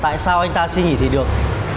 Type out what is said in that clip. tại sao anh ta xin nghỉ thì được